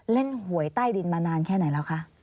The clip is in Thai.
หวยใต้ดินมานานแค่ไหนแล้วคะ